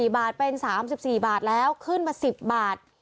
๔บาทเป็น๓๔บาทแล้วขึ้นมา๑๐บาท